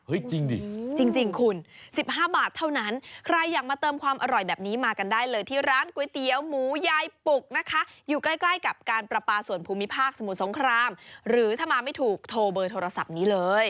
จริงดิจริงคุณ๑๕บาทเท่านั้นใครอยากมาเติมความอร่อยแบบนี้มากันได้เลยที่ร้านก๋วยเตี๋ยวหมูยายปุกนะคะอยู่ใกล้ใกล้กับการประปาส่วนภูมิภาคสมุทรสงครามหรือถ้ามาไม่ถูกโทรเบอร์โทรศัพท์นี้เลย